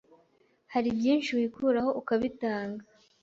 hari byinshi wikuraho ukabitanga